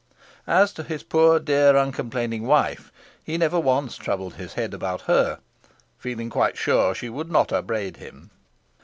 As to his poor, dear, uncomplaining wife, he never once troubled his head about her, feeling quite sure she would not upbraid him.